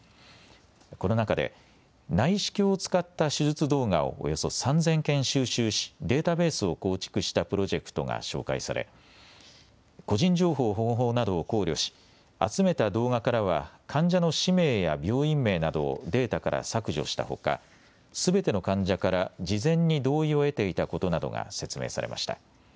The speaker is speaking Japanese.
この中で内視鏡を使った手術動画をおよそ３０００件収集しデータベースを構築したプロジェクトが紹介され個人情報保護法などを考慮し集めた動画からは患者の氏名や病院名などをデータから削除したほか、すべての患者から事前に同意を得ていたことなどが説明されました。